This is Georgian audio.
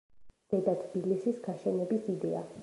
ზედა თბილისის გაშენების იდეა.